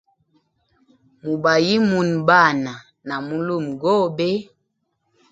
Mubayimune Bana na mulumegobe.